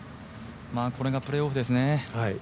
これがプレーオフですね。